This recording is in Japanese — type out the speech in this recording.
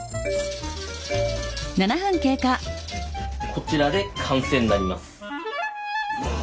こちらで完成になります。